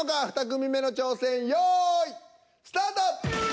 ２組目の挑戦用意スタート！